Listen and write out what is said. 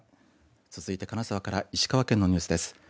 続いて金沢から石川県のニュースです。